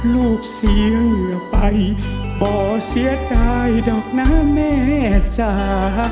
ลูกเสียเหนือไปป่อเสียดายดอกหน้าแม่จ้า